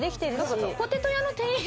ポテト屋の店員！